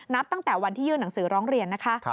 ตั้งแต่วันที่ยื่นหนังสือร้องเรียนนะคะ